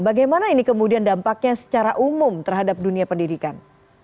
bagaimana ini kemudian dampaknya secara umum terhadap dunia pendidikan